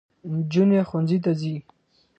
نجونې ښوونځي ته ځي.